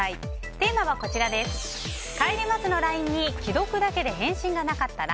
テーマは、帰りますのＬＩＮＥに既読だけで返信がなかったら。